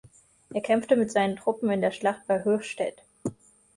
Er kämpfte mit seinen Truppen in der Schlacht bei Höchstädt.